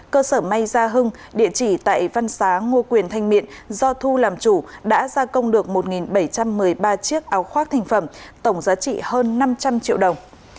cơ sở may gia hưng địa chỉ tại văn xá ngô quyền thanh miện do thu làm chủ đã gia công được một bảy trăm một mươi ba chiếc áo khoác thành phẩm tổng giá trị hơn năm trăm linh triệu đồng